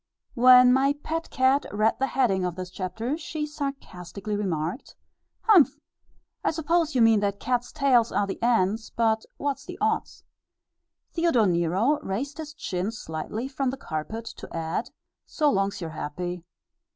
When my pet cat read the heading of this chapter, she sarcastically remarked, "Humph! I suppose you mean that cats tails are the 'ends'; but what's the 'odds'?" Theodore Nero raised his chin slightly from the carpet to add, "So long's you're happy."